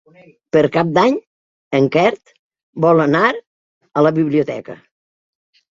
Per Cap d'Any en Quer vol anar a la biblioteca.